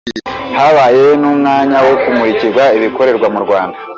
Habaye n’umwanya wo kumurikwa ibikorerwa mu Rwanda.